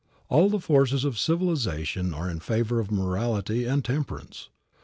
All the forces of civilization are in favor of morality and temperance.